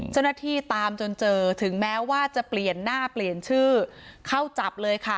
เจ้าหน้าที่ตามจนเจอถึงแม้ว่าจะเปลี่ยนหน้าเปลี่ยนชื่อเข้าจับเลยค่ะ